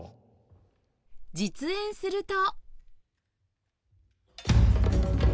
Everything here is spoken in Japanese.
実演すると